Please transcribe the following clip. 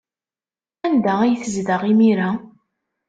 Anda ay tezdeɣ imir-a?